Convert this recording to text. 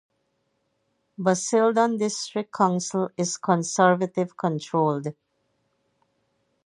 Basildon District Council is Conservative-controlled.